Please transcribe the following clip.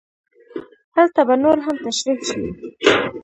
هلته به نور هم تشرېح شي.